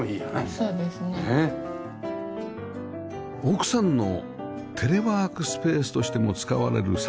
奥さんのテレワークスペースとしても使われるサンルーム